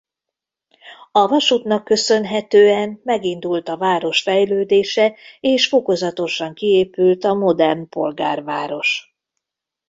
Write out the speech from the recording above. A vasútnak köszönhetően megindult a város fejlődése és fokozatosan kiépült a modern polgárváros.